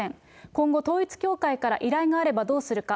今後、統一教会から依頼があればどうするか。